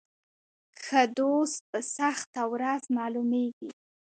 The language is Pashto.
ښه دوست په سخته ورځ معلومیږي.